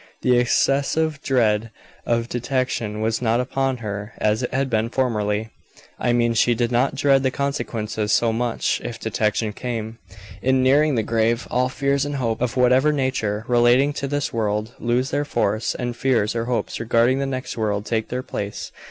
The excessive dread of detection was not upon her as it had been formerly. I mean she did not dread the consequences so much, if detection came. In nearing the grave, all fears and hopes, of whatever nature, relating to this world, lose their force, and fears or hopes regarding the next world take their place.